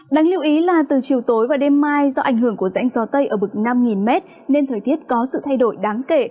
đáng lưu ý là từ chiều tối và đêm mai do ảnh hưởng của rãnh gió tây ở bực năm m nên thời tiết có sự thay đổi đáng kể